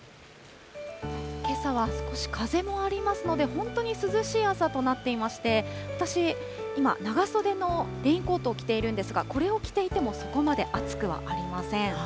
けさは少し風もありますので、本当に涼しい朝となっていまして、私、今、長袖のレインコートを着ているんですが、これを着ていてもそこまで暑くはありません。